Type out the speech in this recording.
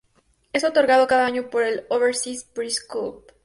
Es otorgado cada año por el Overseas Press Club.